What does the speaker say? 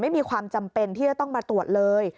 ไม่มีความจำเป็นที่จะต้องมาตรวจเลย